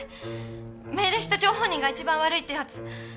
命令した張本人が一番悪いってやつ。